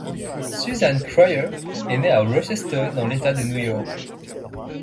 Suzanne Cryer est née à Rochester, dans l'état de New York.